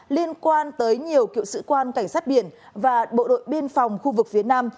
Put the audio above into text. liên quan tới nhiều cựu sĩ quan cảnh sát biển và bộ đội biên phòng khu vực phía nam